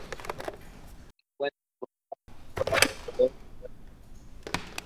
Se encuentra en Bolivia, Brasil, Colombia, Ecuador, Guyana, Perú, y Venezuela.